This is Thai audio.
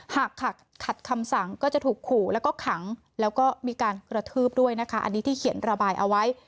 หากขัดคำสั่งก็จะถูกขู่แล้วก็ขังแล้วก็มีการกระทืบด้วยนะคะอันนี้ที่เขียนระบายเอาไว้